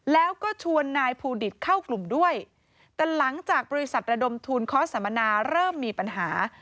แล้วก็ชวนนายภูดิตเข้ากลุ่มด้วยแต่หลังจากบริษัทระดมทุนค้อสัมมนาเริ่มมีปัญหา